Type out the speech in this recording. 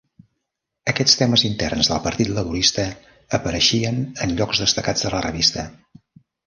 Aquests temes interns del partit laborista apareixien en llocs destacats de la revista.